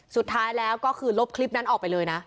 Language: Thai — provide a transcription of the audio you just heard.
สุดท้ายแล้วก็คือลบคลิปนั้นออกไปเลยนะ